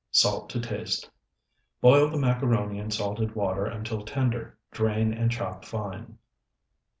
Salt to taste. Boil the macaroni in salted water until tender, drain, and chop fine.